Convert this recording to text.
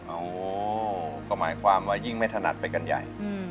โอ้ก็หมายความว่ายิ่งไม่ถนัดไปกันใหญ่